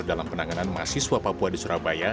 dalam penanganan mahasiswa papua di surabaya